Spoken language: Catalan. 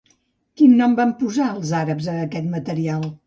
Quin nom van posar els àrabs a aquest material?